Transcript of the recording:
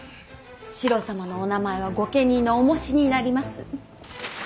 四郎様のお名前は御家人のおもしになります。